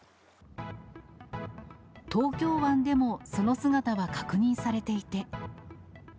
東京湾でも、その姿は確認されていて。